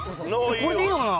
これでいいのかな？